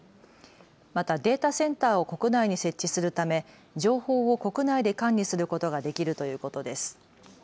またデータセンターを国内に設置するため、情報を国内で管理することができるということです。